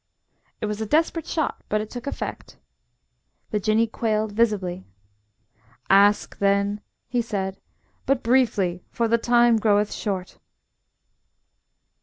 It was a desperate shot but it took effect. The Jinnee quailed visibly. "Ask, then," he said; "but briefly, for the time groweth short."